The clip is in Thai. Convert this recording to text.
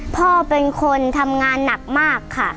พ่อเป็นคนทำงานหนักมากค่ะ